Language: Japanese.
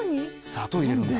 砂糖入れるんだ。